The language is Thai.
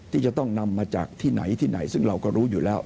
ที่จะต้องนำมาจากที่ไหนที่ไหนซึ่งเราก็รู้อยู่แล้ว